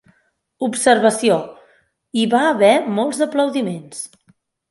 Observació: Hi ha haver molts aplaudiments.